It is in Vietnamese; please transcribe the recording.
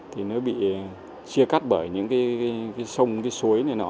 thì nó bị chia cắt bởi những cái sông cái suối này nọ